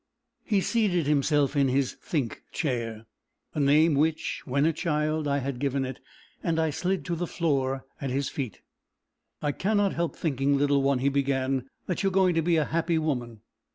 He seated himself in his think chair a name which, when a child, I had given it, and I slid to the floor at his feet. "I cannot help thinking, little one," he began, "that you are going to be a happy woman!